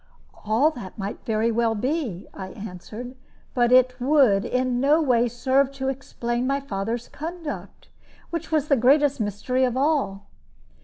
"All that might very well be," I answered; "but it would in no way serve to explain my father's conduct, which was the great mystery of all."